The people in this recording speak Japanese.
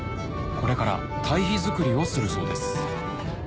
これから堆肥作りをするそうです